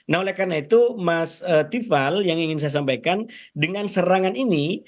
nah oleh karena itu mas tiffal yang ingin saya sampaikan dengan serangan ini